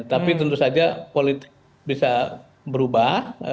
tapi tentu saja politik bisa berubah